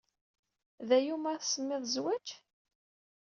D aya umi ara tsemmiḍ zzwaj?